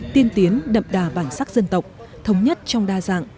tiên tiến đậm đà bản sắc dân tộc thống nhất trong đa dạng